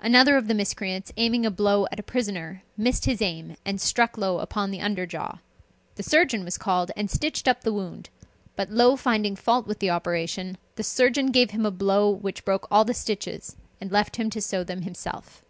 Another of the miscreants, aiming a blow at a prisoner, missed his aim, and struck Low upon the under jaw. The surgeon was called, and stitched up the wound; but Low finding fault with the operation, the surgeon gave him a blow which broke all the stiches, and left him to sew them himself.